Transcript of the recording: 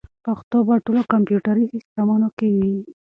پښتو به په ټولو کمپیوټري سیسټمونو کې وي.